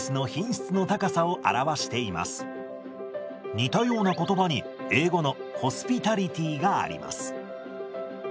似たような言葉に英語の「ホスピタリティ」があります。